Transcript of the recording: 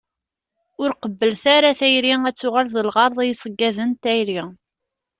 Ur qebblet ara tayri ad tuɣal d lɣerḍ i yiṣeggaden n tayri.